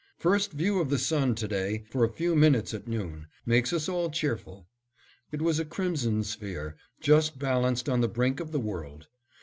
First view of the sun to day, for a few minutes at noon, makes us all cheerful. It was a crimson sphere, just balanced on the brink of the world.